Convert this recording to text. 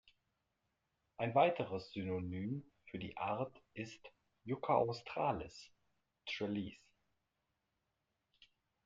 Ein weiteres Synonym für die Art ist "Yucca australis" Trelease.